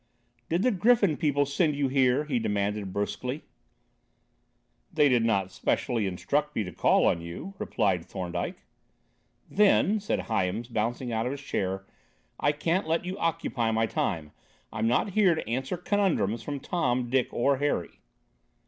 "Did the Griffin people send you here?" he demanded brusquely. "They did not specially instruct me to call on you," replied Thorndyke. "Then," said Hyams bouncing out of his chair, "I can't let you occupy my time. I'm not here to answer conundrums from Tom, Dick or Harry."